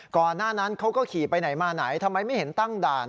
ก่อนหน้านั้นเขาก็ขี่ไปไหนมาไหนทำไมไม่เห็นตั้งด่าน